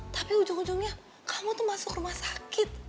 tapi ujung ujungnya kamu tuh masuk rumah sakit